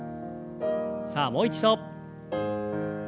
さあもう一度。